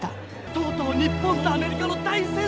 「とうとう日本とアメリカの大戦争が始まったんだ！」。